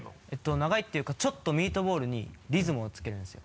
長いっていうかちょっとミートボールにリズムをつけるんですよ。